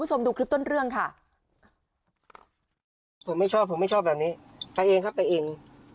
ผมไม่ชอบผมไม่ชอบแบบนี้ไปเองครับไปเอง